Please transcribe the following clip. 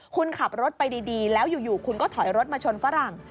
คุณขับรถไปดีแล้วอยู่คุณก็ถอยรถมาชนฝรั่ง